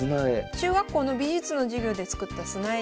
中学校の美術の授業で作った砂絵です。